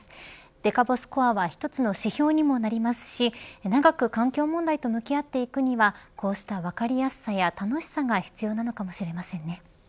デカボスコアは一つの指標にもなりますし長く環境問題と向き合っていくにはこうした分かりやすさや楽しさが必要なのかもしれませんね。